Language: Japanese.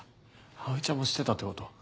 葵ちゃんも知ってたってこと？